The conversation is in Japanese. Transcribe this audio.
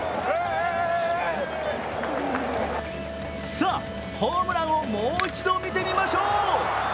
さあ、ホームランをもう一度見てみましょう。